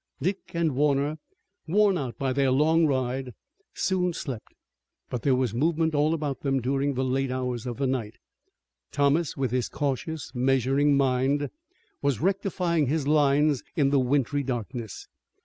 Dick and Warner, worn out by their long ride, soon slept but there was movement all around them during the late hours of the night. Thomas with his cautious, measuring mind was rectifying his lines in the wintry darkness.